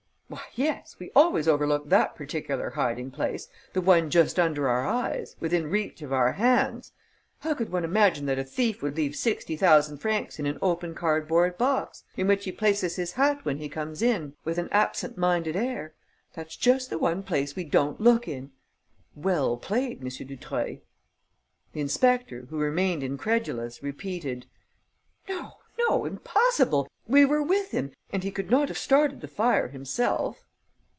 "Why, yes, we always overlook that particular hiding place, the one just under our eyes, within reach of our hands! How could one imagine that a thief would leave sixty thousand francs in an open cardboard box, in which he places his hat when he comes in, with an absent minded air? That's just the one place we don't look in.... Well played, M. Dutreuil!" The inspector, who remained incredulous, repeated: "No, no, impossible! We were with him and he could not have started the fire himself."